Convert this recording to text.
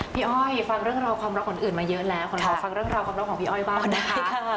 อ้อยฟังเรื่องราวความรักคนอื่นมาเยอะแล้วขอฟังเรื่องราวความรักของพี่อ้อยบ้างนะคะ